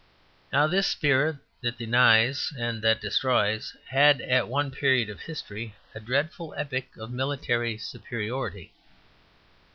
Now, this spirit that denies and that destroys had at one period of history a dreadful epoch of military superiority.